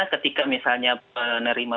ketika misalnya menerima